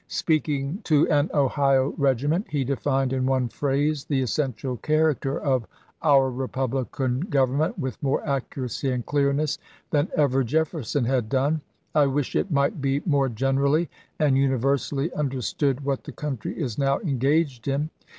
Speaking to an Ohio regiment, he denned in one phrase the essential character of our republican government with more accuracy and clearness than ever Jefferson had done :" I wish it might be more generally and universally under stood what the country is now engaged in.